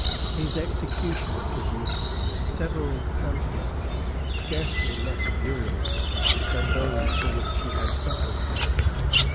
His execution produced several pamphlets scarcely less virulent than those for which he had suffered.